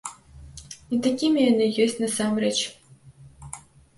Не такімі яны ёсць насамрэч.